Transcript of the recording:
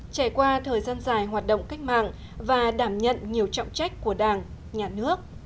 trải qua thời gian dài hoạt động cách mạng và đảm nhận nhiều trọng trách của đảng nhà nước